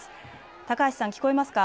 高橋さん聞こえますか。